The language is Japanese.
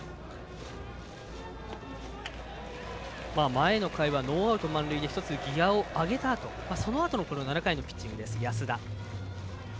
前の回はノーアウト満塁で１つギヤを上げたあとそのあとの７回のピッチングです安田。